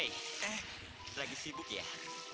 hei kamu sedang sibuk bukan